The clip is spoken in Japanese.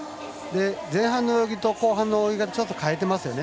前半の泳ぎと後半の泳ぎちょっと変えてますよね。